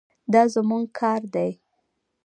دا زموږ کار دی.